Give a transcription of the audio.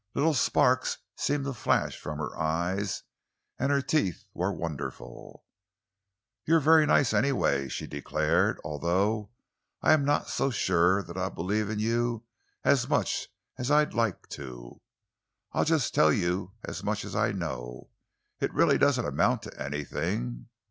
Little sparks seemed to flash from her eyes, and her teeth were wonderful. "You're very nice, anyway," she declared, "although I am not sure that I believe in you as much as I'd like to. I'll just tell you as much as I know. It really doesn't amount to anything.